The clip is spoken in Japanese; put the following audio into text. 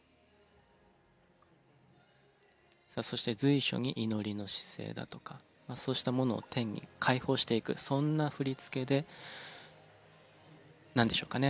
そして随所に祈りの姿勢だとかそうしたものを天に解放していくそんな振り付けでなんでしょうかね